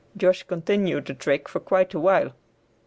Josh continued the trick for quite a while.